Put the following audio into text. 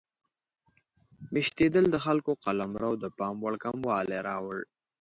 میشتېدل د خلکو قلمرو د پام وړ کموالی راوړ.